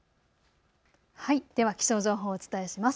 では気象情報をお伝えします。